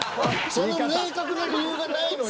その明確な理由がないのに。